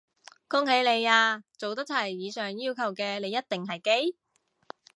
恭喜你啊，做得齊以上要求嘅你一定係基！